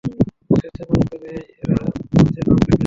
স্বেচ্ছাপ্রণোদিত হয়েই এরা যুদ্ধে নাম লেখায়।